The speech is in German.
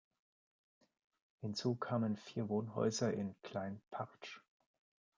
Hinzu kamen vier Wohnhäuser in "Klein Partsch".